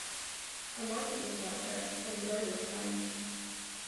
A market was held there from the earliest times.